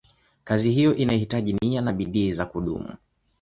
Kazi hiyo inahitaji nia na bidii za kudumu.